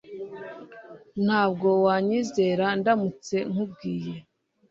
Ntabwo wanyizera ndamutse nkubwiye